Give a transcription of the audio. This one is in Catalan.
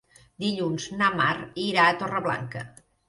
Dilluns na Mar irà a Torreblanca.